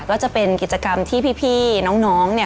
ก็จะเป็นกิจกรรมที่พี่น้องเนี่ย